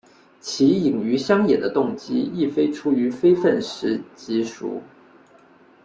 其隐于乡野的动机亦非出于非愤世嫉俗。